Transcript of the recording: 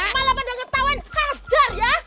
malah pada ngetahuin hajar ya